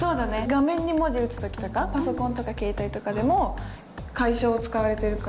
画面に文字打つ時とかパソコンとか携帯とかでも楷書が使われてるから。